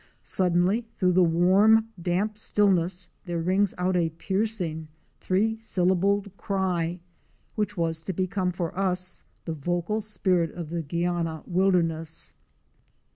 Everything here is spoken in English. Suddenly through the warm damp stillness there rings out a piercing, three syllabled cry, which was to become for us the vocal spirit of the Guiana wilderness.